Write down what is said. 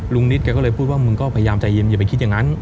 นิดแกก็เลยพูดว่ามึงก็พยายามใจเย็นอย่าไปคิดอย่างนั้น